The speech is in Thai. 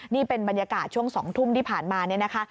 นี่เป็นบรรยากาศช่วง๒ทุ่มที่ผ่านมาเนี่ยนะคะ